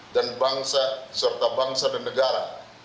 dan bangsa serta bangsa dan negara